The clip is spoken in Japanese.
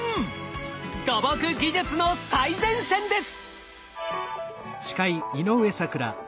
土木技術の最前線です。